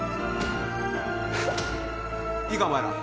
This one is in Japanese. いいかお前ら。